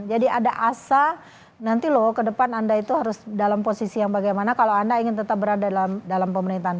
jadi ada asa nanti loh ke depan anda itu harus dalam posisi yang bagaimana kalau anda ingin tetap berada dalam pemerintahan